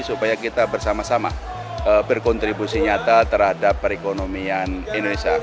supaya kita bersama sama berkontribusi nyata terhadap perekonomian indonesia